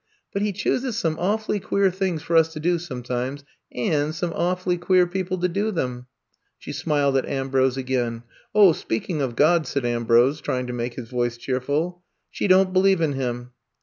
But He chooses some awfully queer things for us to do sometimes and some awfully queer people to do them." She smiled at Am brose again. 0h, speaking of God," said Ambrose, trying to make his voice cheerful, *^she don't believe in Him."